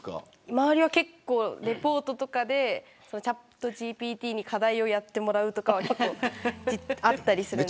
周りは結構レポートとかでチャットＧＰＴに課題をやってもらうとかはあったりするんです